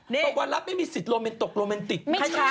พาวอลลับไม่มีศิษย์ตกโรแมนติก